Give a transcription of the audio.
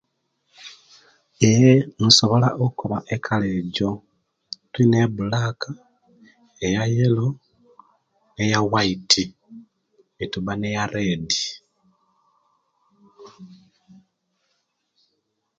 Eee nsobola okoba ekala ejo tuyina eyabulaka, eyayelo, neyawiti netuba ne yaredi